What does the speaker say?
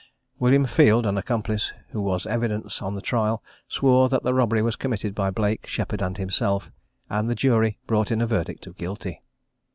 William Field, an accomplice, who was evidence on the trial, swore that the robbery was committed by Blake, Sheppard, and himself; and the jury brought in a verdict of guilty.